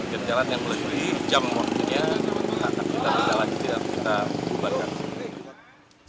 gerjalan yang lebih hijau maksudnya kita berjalan kita bubarkan